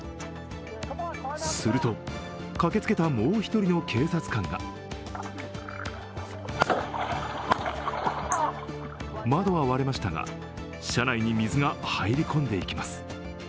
すると駆けつけたもう１人の警察官が窓は割れましたが、車内に水が入り込んでいきます。